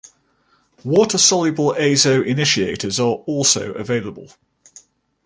Water-soluble azo initiators are also available.